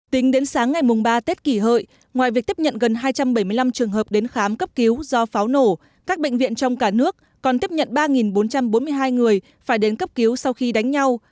tính đến sáng ngày ba tết kỷ hợi ngoài việc tiếp nhận gần hai trăm bảy mươi năm trường hợp đến khám cấp cứu do pháo nổ các bệnh viện trong cả nước còn tiếp nhận ba bốn trăm bốn mươi hai người phải đến cấp cứu sau khi đánh nhau